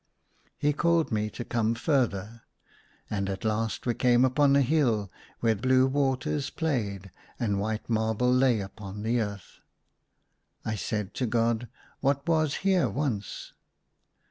He called me to come further. And at last we came upon a hill where blue waters played, and white marble lay upon the earth. I said to God, " What was here once